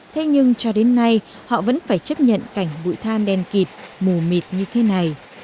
thế nhưng cho đến nay họ vẫn phải chấp nhận cảnh bụi than đen kịt mù mịt như thế này